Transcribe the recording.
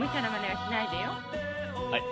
はい。